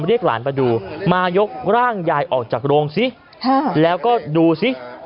เรียกหลานมาดูมายกร่างยายออกจากโรงซิแล้วก็ดูสิ